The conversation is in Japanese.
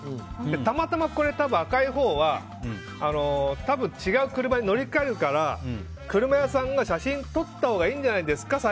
たまたま赤いほうは違う車に乗り換えるから車屋さんが写真撮ったほうがいいんじゃないですか？